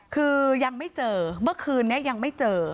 คือยังไม่เจอเมื่อคืนนี้ยังไม่เจอ